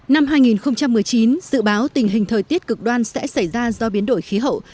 năm hai nghìn một mươi chín dự báo tình hình thời tiết cực đoan sẽ xảy ra do biến đổi khí hậu